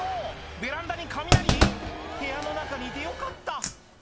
ベランダに雷⁉部屋の中にいてよかった」